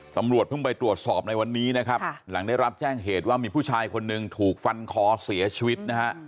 ตำรวจเพิ่งไปตรวจสอบในวันนี้นะครับหลังได้รับแจ้งเหตุว่ามีผู้ชายคนหนึ่งถูกฟันคอเสียชีวิตนะฮะ